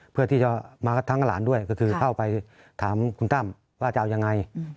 เพื่อที่จะมาทั้งหลานด้วยก็คือเข้าไปถามคุณตั้มว่าจะเอายังไง